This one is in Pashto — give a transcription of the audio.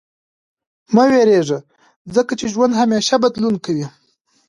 • مه وېرېږه، ځکه چې ژوند همېشه بدلون کوي.